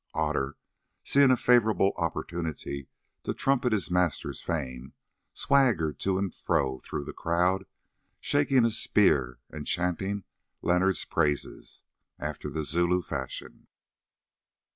Otter, seeing a favourable opportunity to trumpet his master's fame, swaggered to and fro through the crowd shaking a spear and chanting Leonard's praises after the Zulu fashion.